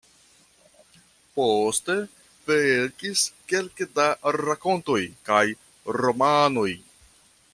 Poste verkis kelke da rakontoj kaj romanoj.